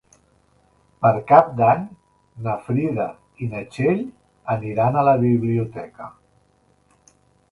Per Cap d'Any na Frida i na Txell aniran a la biblioteca.